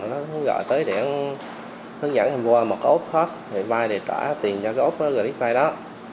nó gọi tới để hướng dẫn thêm qua một cái ốp khóa để vay để trả tiền cho cái ốp gợi đích vay đó